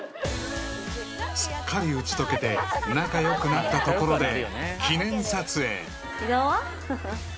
［すっかり打ち解けて仲良くなったところで記念撮影］